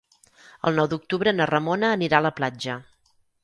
El nou d'octubre na Ramona anirà a la platja.